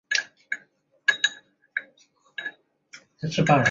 腺毛蹄盖蕨为蹄盖蕨科蹄盖蕨属下的一个种。